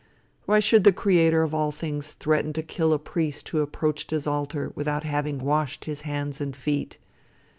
Why should the Creator of all things threaten to kill a priest who approached his altar without having washed his hands and feet?